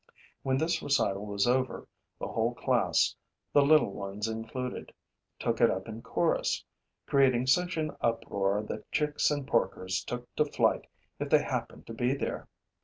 When this recital was over, the whole class, the little ones included, took it up in chorus, creating such an uproar that chicks and porkers took to flight if they happened to be there.